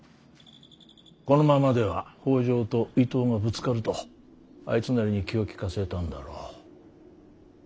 このままでは北条と伊東がぶつかるとあいつなりに気を利かせたんだろう。